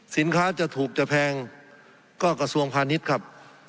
สินค้าจะถูกจะแพงก็กระทรวงพาณิชย์ครับ